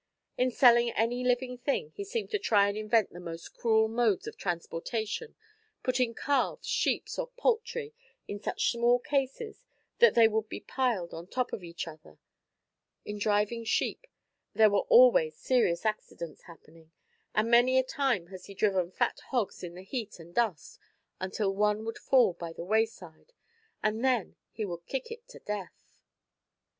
In selling any living thing he seemed to try and invent the most cruel modes of transportation, putting calves, sheep or poultry in such small cases that they would be piled on top of each other. In driving sheep, there were always serious accidents happening, and many a time has he driven fat hogs in the heat and dust until one would fall by the wayside, and then he would kick it to death.